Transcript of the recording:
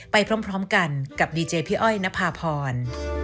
ไปพร้อมกันกับดีเจพี่อ้อยนภาพร